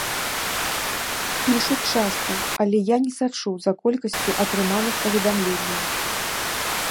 Пішуць часта, але я не сачу за колькасцю атрыманых паведамленняў.